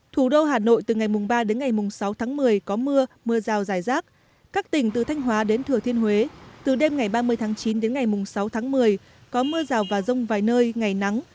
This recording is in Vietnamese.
thủ đô hà nội từ ngày ba đến ngày mùng sáu tháng một mươi có mưa mưa rào dài rác các tỉnh từ thanh hóa đến thừa thiên huế từ đêm ngày ba mươi tháng chín đến ngày mùng sáu tháng một mươi có mưa rào và rông vài nơi ngày nắng